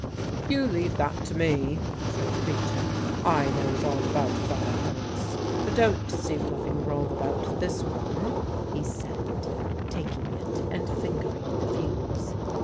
"You leave that to me," said the preacher; "I knows all about fireworks. There don't seem nothing wrong about this one," he said, taking it and fingering the fuse.